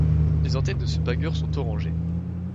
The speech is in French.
Les antennes de ce pagure sont orangées.